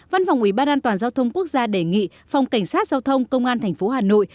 văn phòng ủy ban an toàn giao thông quốc gia đề nghị phòng cảnh sát giao thông công an tp hà nội